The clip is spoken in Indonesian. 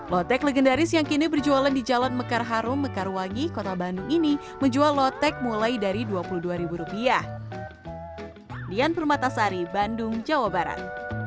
lotek legendaris yang kini berjualan di jalan mekar harum mekarwangi kota bandung ini menjual lotek mulai dari dua puluh dua ribu rupiah